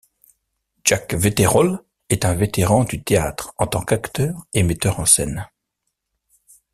Jack Wetherall est un vétéran du théâtre en tant qu’acteur et metteur en scène.